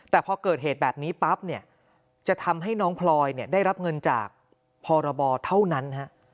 แต่พอเกิดเหตุแบบนี้ปั๊บเนี่ยจะทำให้น้องพลอยได้รับเงินจากพรบเท่านั้น